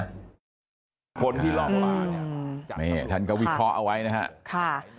คนที่รอบป่าเนี่ยน่าเงี้ยท่านก็วิเคราะห์เอาไว้นะฮะ